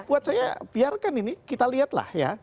buat saya biarkan ini kita lihatlah ya